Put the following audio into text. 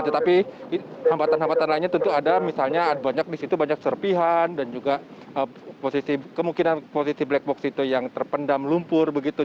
tetapi hambatan hambatan lainnya tentu ada misalnya banyak di situ banyak serpihan dan juga kemungkinan posisi black box itu yang terpendam lumpur begitu